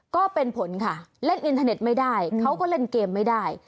ก็เป็นผลค่ะเล่นอินเทอร์เน็ตไม่ได้เขาก็เล่นเกมไม่ได้